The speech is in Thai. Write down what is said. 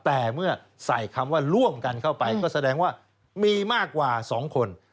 แต่เมื่อใส่คำว่าร่วมกันเข้าไปก็แสดงว่ามีมากกว่า๒คน